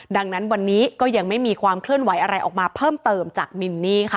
ดังนั้นวันนี้ก็ยังไม่มีความเคลื่อนไหวอะไรออกมาเพิ่มเติมจากมินนี่ค่ะ